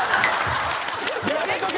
やめとけ！